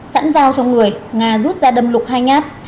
sẵn giao cho người ngà rút ra đâm lục hay nhát